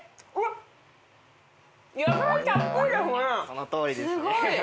その通りですね。